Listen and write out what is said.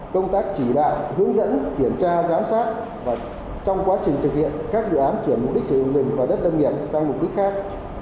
công tác chỉ đạo hướng dẫn kiểm tra giám sát và trong quá trình thực hiện các dự án chuyển mục đích sử dụng rừng và đất lâm nghiệp sang mục đích khác